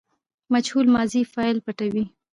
مجهول ماضي فاعل پټوي.